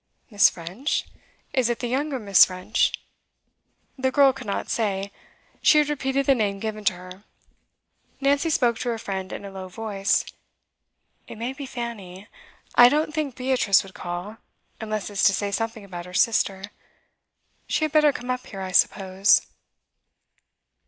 'Miss. French? Is it the younger Miss. French?' The girl could not say; she had repeated the name given to her. Nancy spoke to her friend in a low voice. 'It may be Fanny. I don't think Beatrice would call, unless it's to say something about her sister. She had better come up here, I suppose?